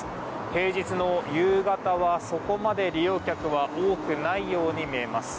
平日の夕方は、そこまで利用客は多くないように見えます。